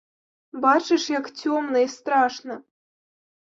Бачыш, як цёмна і страшна!